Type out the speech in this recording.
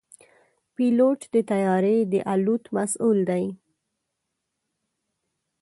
پيلوټ د طیارې د الوت مسؤل دی.